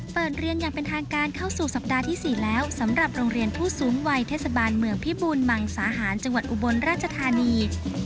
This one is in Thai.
เปิดเรียนอย่างเป็นทางการเข้าสู่สัปดาห์ที่๔แล้วสำหรับโรงเรียนผู้สูงวัยเทศบาลเมืองพิบูรมังสาหารจังหวัดอุบลราชธานี